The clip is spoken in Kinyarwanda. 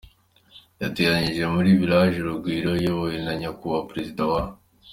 yateraniye muri Village Urugwiro, iyobowe na Nyakubahwa Perezida wa